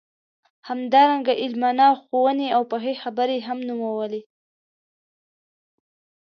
همدارنګه عالمانه ښووني او پخې خبرې هم نومولې.